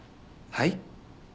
はい？